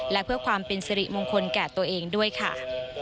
และเพื่อความเป็นสิริมงคลแก่ตัวเองด้วยค่ะ